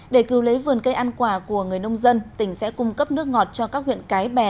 để cứu lấy vườn cây ăn quả của người nông dân tỉnh sẽ cung cấp nước ngọt cho các huyện cái bè